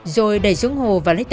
rồi đẩy xuống hồ